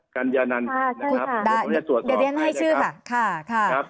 กันยานั้นนะครับผมจะตรวจสอบให้นะครับ